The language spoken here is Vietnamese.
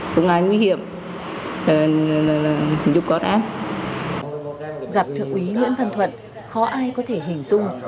khó ai có thể hình dung